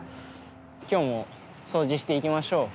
きょうも掃除していきましょう。